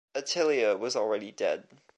Attilia was already dead.